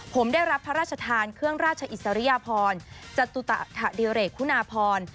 ผมได้รับพระราชทานเครื่องราชอิสริยพรจตุดิเรกคุณาพร